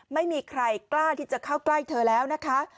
ไม่มีใครกล้าที่จะเข้าใกล้เธอแล้วนะคะ